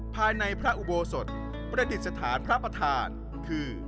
ภายในพระอุโบสถประดิษฐานพระประธานคือ